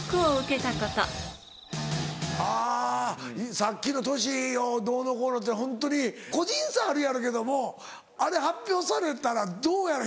さっきの年をどうのこうのっていうのはホントに個人差あるやろうけどもあれ発表されたらどうやろ？